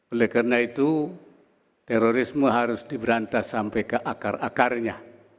oleh karena itu terorisme harus diberantas sampai ke akar akarnya